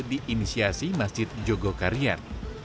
di inisiasi masjid jogokaryan